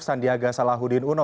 sandiaga salahuddin uno